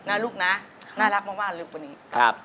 นะลูกนะน่ารักมากลูกวันนี้ครับ